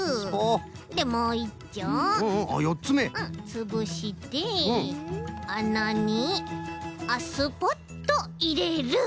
つぶしてあなにスポッといれる。